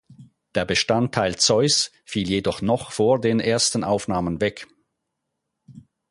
Der Bestandteil „Zeus“ fiel jedoch noch vor den ersten Aufnahmen weg.